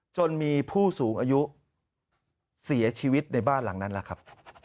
จนมีผู้สูงอายุเสียชีวิตในบ้านหลังนั้นแหละครับ